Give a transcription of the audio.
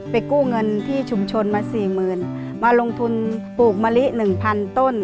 ไปกู้เงินที่ชุมชนมา๔๐๐๐๐บาทมาลงทุนปลูกมะลิ๑๐๐๐ต้น